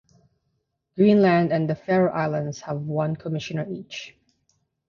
Greenland and the Faroe Islands have one Commissioner each.